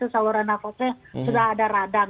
saluran nafasnya sudah ada radang